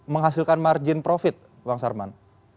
menghasilkan margin profit bang sarman